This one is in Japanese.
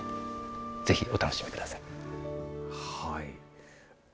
ぜひ、お楽しみください。